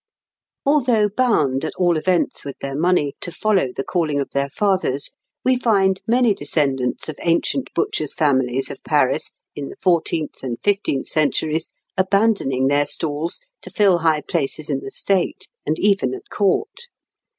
] Although bound, at all events with their money, to follow the calling of their fathers, we find many descendants of ancient butchers' families of Paris, in the fourteenth and fifteenth centuries, abandoning their stalls to fill high places in the state, and even at court.